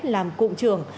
làm cụm trường